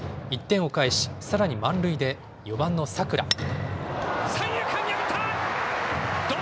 １点を返し、さらに満塁で４番の佐倉。